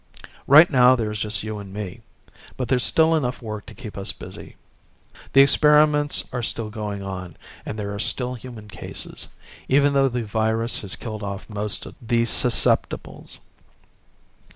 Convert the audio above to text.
Right now there is just you and me. But there's still enough work to keep us busy. The experiments are still going on, and there are still human cases, even though the virus has killed off most of the susceptibles.